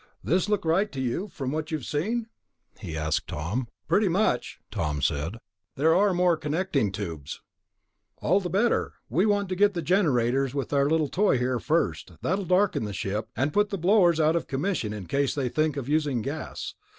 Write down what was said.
"This look right to you, from what you've seen?" he asked Tom. "Pretty much," Tom said. "There are more connecting tubes." "All the better. We want to get the generators with our little toy here first. That'll darken the ship, and put the blowers out of commission in case they think of using gas.